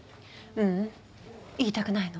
ううん言いたくないの。